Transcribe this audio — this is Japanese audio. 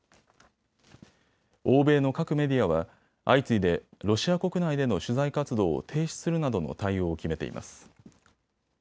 欧米の各メディアは相次いでロシア国内での取材活動を停止するなどの対応を決めています。